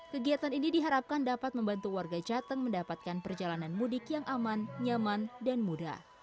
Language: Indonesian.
kegiatan ini diharapkan dapat membantu warga jateng mendapatkan perjalanan mudik yang aman nyaman dan mudah